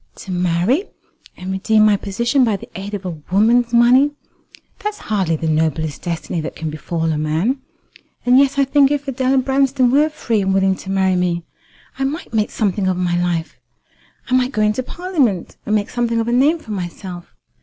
To marry, and redeem my position by the aid of a woman's money. That's hardly the noblest destiny that can befall a man. And yet I think if Adela Branston were free, and willing to marry me, I might make something of my life. I might go into Parliament, and make something of a name for myself.